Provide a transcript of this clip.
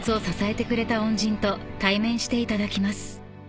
［していただきます］